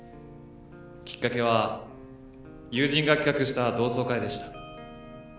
きっかけは友人が企画した同窓会でした。